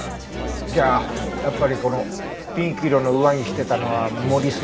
じゃあやっぱりこのピンク色の上着着てたのは森末だな。